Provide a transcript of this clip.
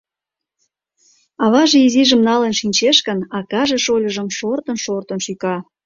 Аваже изижым налын шинчеш гын, акаже шольыжым шортын-шортын шӱка.